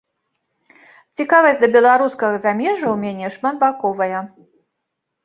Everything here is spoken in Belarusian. Цікавасць да беларускага замежжа ў мяне шматбаковая.